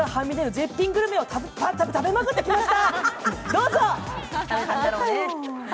絶品グルメを食べまくってきました。